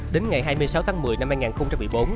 đến ngày hai mươi sáu tháng một mươi năm hai nghìn một mươi bốn